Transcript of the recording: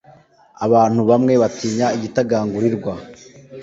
abantu bamwe batinya igitagangurirwa